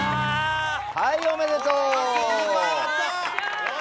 はい、おめでとう。